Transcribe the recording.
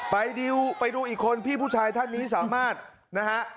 ไปดูอีกคนพี่ผู้ชายท่านนี้สามารถนะฮะ